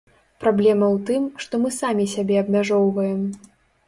Праблема ў тым, што мы самі сябе абмяжоўваем.